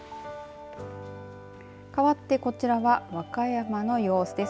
かわってこちらは和歌山の様子です。